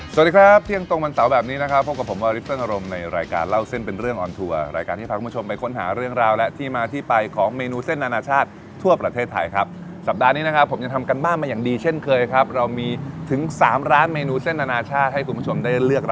สวัสดีครับเที่ยงตรงวันเสาร์แบบนี้นะครับพบกับผมวาริปเปิ้อารมณ์ในรายการเล่าเส้นเป็นเรื่องออนทัวร์รายการที่พาคุณผู้ชมไปค้นหาเรื่องราวและที่มาที่ไปของเมนูเส้นอนาชาติทั่วประเทศไทยครับสัปดาห์นี้นะครับผมยังทำการบ้านมาอย่างดีเช่นเคยครับเรามีถึงสามร้านเมนูเส้นอนาชาติให้คุณผู้ชมได้เลือก